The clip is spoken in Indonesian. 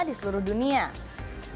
kepopulerannya hampir tidak terlalu besar